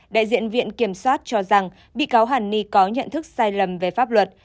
đại diện viện kiểm soát cho rằng bị cáo hàn ni có nhận thức sai lầm về pháp luật